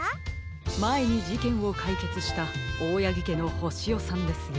まえにじけんをかいけつしたオオヤギけのホシヨさんですよ。